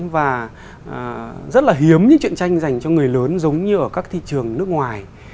và rất là hiếm những chuyện tranh dành cho người lớn giống như ở các thị trường nước ngoài